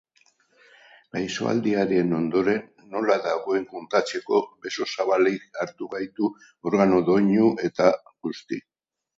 Gaixoaldiaren ondoren, nola dagoen kontatzeko besozabalik hartu gaitu organo doinu eta guzti.